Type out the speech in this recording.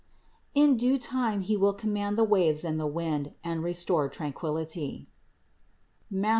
In due time He will command the waves and the wind, and restore tranquillity (Matth.